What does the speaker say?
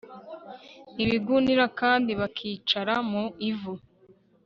ibigunira kandi bakicara mu ivu